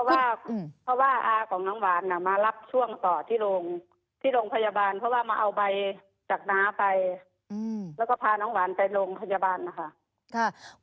เพราะว่าอาของน้องหวานมารับช่วงต่อที่โรงพยาบาลเพราะว่ามาเอาใบจากน้าไปแล้วก็พาน้องหวานไปโรงพยาบาลนะคะ